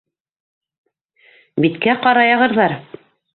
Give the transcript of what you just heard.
Биткә ҡара яғырҙар.